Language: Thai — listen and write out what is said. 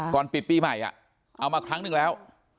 ก่อนปิดปีใหม่เอามาครั้งหนึ่งแล้ว